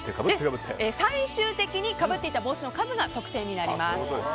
最終的にかぶっていた帽子の数が得点になります。